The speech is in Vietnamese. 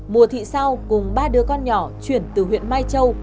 mùa thị sau cùng ba đứa con nhỏ chuyển từ huyện mai châu